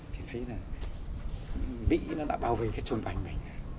thấy là mỹ đã bao vây hết xung quanh mình